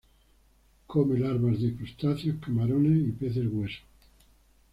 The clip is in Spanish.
Come larvas de crustáceos, camarones y peces hueso.